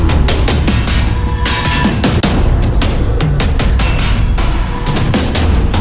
bagaimana dengan ayahku